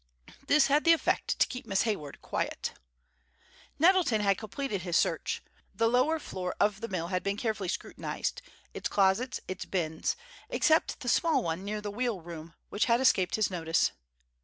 This had the effect to keep Miss Hayward quiet. Nettleton had completed his search. The lower floor of the mill had been carefully scrutinized—its closets, its bins—except the small one near the wheel room, which had escaped his notice.